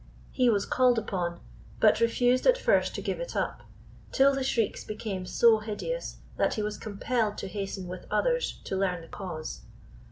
He was called upon, but refused at first to give it up, till the shrieks became so hideous that he was compelled to hasten with others to learn the cause.